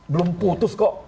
belum putus kok